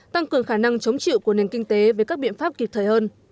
tăng cường khả năng chống chịu của nền kinh tế với các biện pháp kịp thời hơn